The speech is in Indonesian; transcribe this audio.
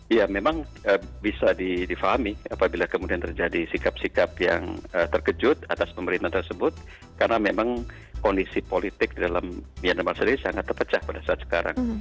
ya memang bisa difahami apabila kemudian terjadi sikap sikap yang terkejut atas pemerintahan tersebut karena memang kondisi politik dalam myanmar sendiri sangat terpecah pada saat sekarang